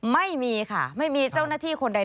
ไม่มีค่ะไม่มีเจ้าหน้าที่คนใด